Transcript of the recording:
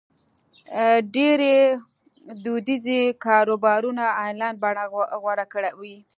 ډېری دودیز کاروبارونه آنلاین بڼه غوره کوي.